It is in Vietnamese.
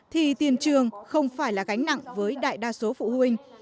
thì tiền trường không phải là gánh nặng với đại đa số phụ huynh